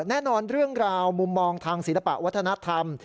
แน่นอนเรื่องราวมุมมองทางศิลปะวัฒนธรรม